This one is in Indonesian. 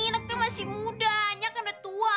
neknya masih muda neknya kan udah tua